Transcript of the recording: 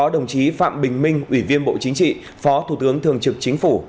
đồng chí phạm bình minh ủy viên bộ chính trị phó thủ tướng thường trực chính phủ